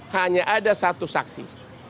hanya ada satu saksi